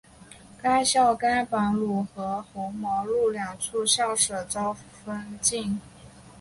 该校甘榜汝和红毛路两处校舍遭封禁。